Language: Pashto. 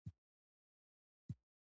مالکان د دې توکو مبادلې لپاره چمتو شوي دي